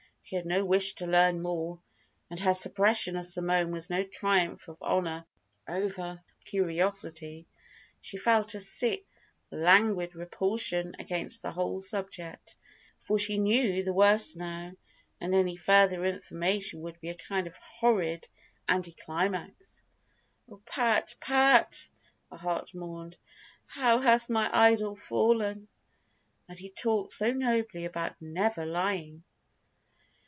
She had no wish to learn more, and her suppression of Simone was no triumph of honour over curiosity. She felt a sick, languid repulsion against the whole subject, for she knew the worst now, and any further information would be a kind of horrid anti climax. "Oh, Pat, Pat!" her heart mourned. "How has my idol fallen! And he talked so nobly about never lying!"